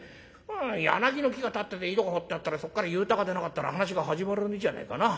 柳の木が立ってて井戸が掘ってあったらそっから幽太が出なかったら話が始まらねえじゃねえかなあ。